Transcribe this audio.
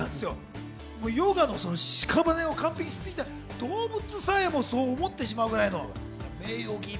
ヨガのしかばねを完璧にしすぎて動物さえもそう思ってしまうという。